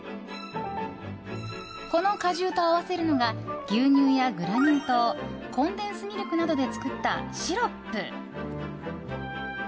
この果汁と合わせるのが牛乳やグラニュー糖コンデンスミルクなどで作ったシロップ。